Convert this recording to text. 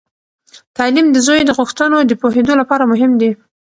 تعلیم د زوی د غوښتنو د پوهیدو لپاره مهم دی.